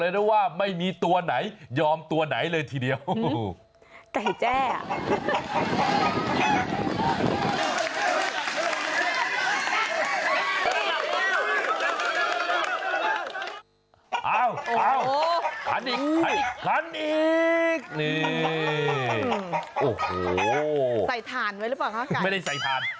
ใส่ทานไว้รึเปล่าไม่ได้ใส่ทาน